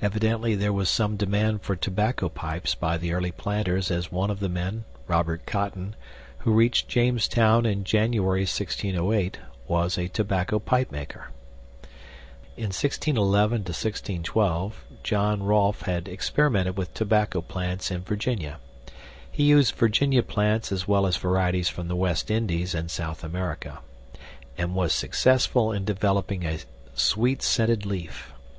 Evidently there was some demand for tobacco pipes by the early planters as one of the men, Robert Cotten, who reached Jamestown in January 1608, was a tobacco pipemaker. In 1611 12 John Rolfe had experimented with tobacco plants in Virginia (he used Virginia plants as well as varieties from the West Indies and South America), and was successful in developing a sweet scented leaf.